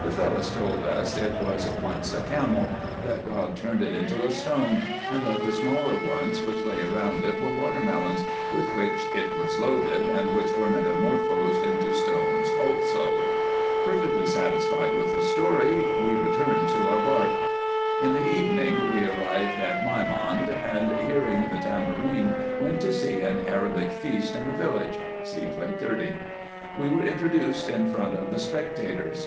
The Fellahs told us it was once a camel; that God turned it into a stone; and that the smaller ones which lay round it were water melons, with which it was IN EGYPT, NUBIA, &c. 143 loaded, and which were metamorphosed into stones also. Perfectly satisfied with the story, we returned to our bark. In the evening we arrived at Meimond ; and, hearing the tam bourine, went to see an Arabic feast in the village (See Plate 30.) We were introduced in front of the spectators.